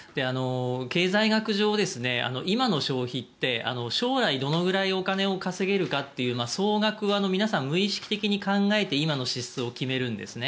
経済学上、今の消費って将来どのくらいお金を稼げるかという総額は皆さん、無意識的に考えて今の支出を決めるんですね。